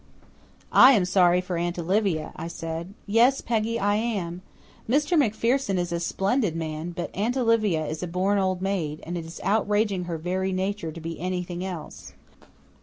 "I am sorry for Aunt Olivia," I said. "Yes, Peggy, I am. Mr. MacPherson is a splendid man, but Aunt Olivia is a born old maid, and it is outraging her very nature to be anything else.